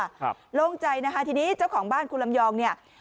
โล่งใจนะคะทีนี้เจ้าของบ้านคุณลำยองเนี่ย